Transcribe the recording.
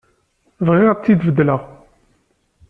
Bɣiɣ ad tt-id-beddleɣ.